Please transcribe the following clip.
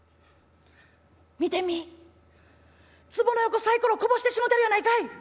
「見てみ壺の横サイコロこぼしてしもてるやないかい！」。